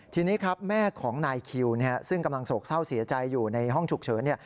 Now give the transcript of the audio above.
ทีนี้ครับแม่ของนายคิวซึ่งกำลังโศกเศร้าเสียใจอยู่ในห้องฉุกเฉิน